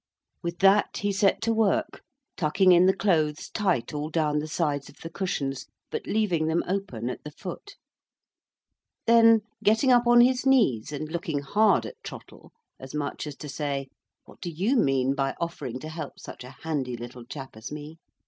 With that, he set to work, tucking in the clothes tight all down the sides of the cushions, but leaving them open at the foot. Then, getting up on his knees, and looking hard at Trottle as much as to say, "What do you mean by offering to help such a handy little chap as me?"